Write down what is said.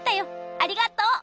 ありがとう！